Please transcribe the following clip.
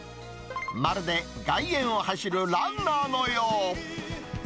まるで外苑を走るランナーのよう。